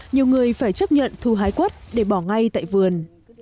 nhiều người phải chấp nhận thu hái quất để bỏ ngay tại vườn